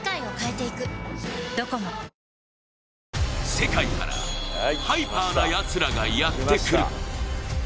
世界からハイパーなやつらがやってくる。